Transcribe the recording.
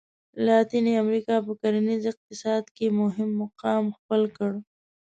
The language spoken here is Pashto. لاتیني امریکا په کرنیز اقتصاد کې مهم مقام خپل کړ.